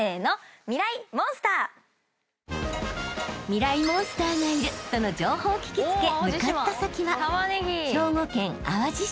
［ミライ☆モンスターがいるとの情報を聞き付け向かった先は］